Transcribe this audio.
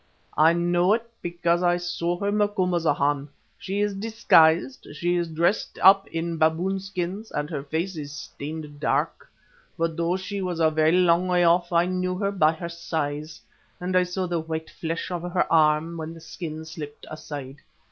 "I know it because I saw her, Macumazahn. She is disguised, she is dressed up in baboon skins, and her face is stained dark. But though she was a long way off, I knew her by her size, and I saw the white flesh of her arm when the skins slipped aside.